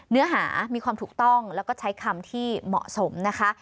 เนื้อหามีความถูกต้องแล้วก็ใช้คำที่เหมาะสมนะคะ